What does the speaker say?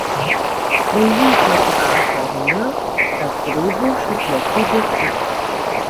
Regie führte Arthur Hiller, das Drehbuch schrieb Leslie Dixon.